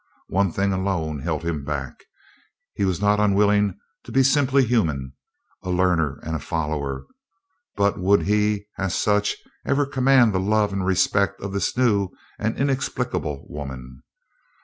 One thing alone held him back: he was not unwilling to be simply human, a learner and a follower; but would he as such ever command the love and respect of this new and inexplicable woman?